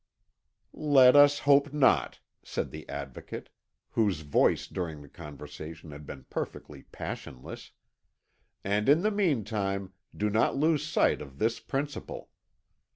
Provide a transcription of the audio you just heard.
"Let us hope not," said the Advocate, whose voice during the conversation had been perfectly passionless, "and in the meantime, do not lose sight of this principle.